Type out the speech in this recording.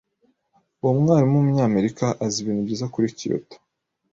Uwo mwarimu wumunyamerika azi ibintu byiza kuri Kyoto.